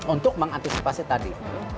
untuk mengantisipasi tadi